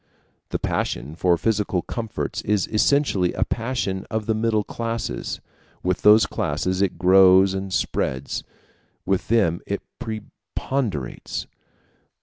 The passion for physical comforts is essentially a passion of the middle classes: with those classes it grows and spreads, with them it preponderates.